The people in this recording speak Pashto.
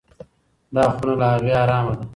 دا خونه له هغې ارامه ده.